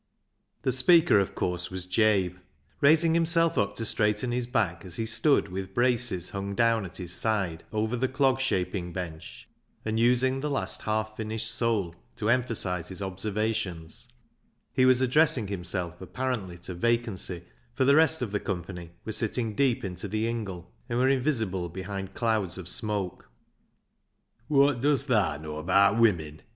The speaker, of course, was Jabe. Raising himself up to straighten his back as he stood with braces hung down at his side, over the clog shaping bench, and using the last half finished sole to emphasise his observations, he was addressing himself apparently to vacancy, for the rest of the company were sitting deep into the ingle, and were invisible behind clouds of smoke. " Wot does thaa know abaat women